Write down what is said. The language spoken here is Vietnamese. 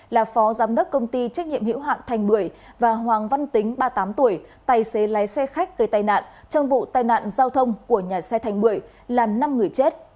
là phó giám đốc công ty trách nhiệm hiệu hạn thành bưởi và hoàng văn tính ba mươi tám tuổi tài xế lái xe khách gây tai nạn trong vụ tai nạn giao thông của nhà xe thành bưởi là năm người chết